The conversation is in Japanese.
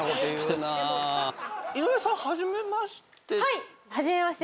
井上さん初めまして？